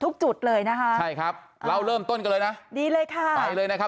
จุดเลยนะคะใช่ครับเราเริ่มต้นกันเลยนะดีเลยค่ะไปเลยนะครับ